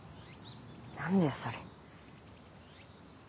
何だよそれ。